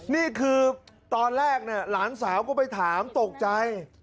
นี่คือตอนแรกหลานสาวก็ไปถามตกใจ